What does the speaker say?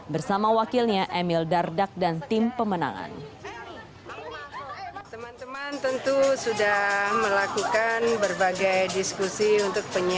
bersama wakilnya emil dardak dan tim pemenangan